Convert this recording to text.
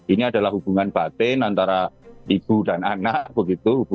ini adalah hubungan batin antara ibu dan anak begitu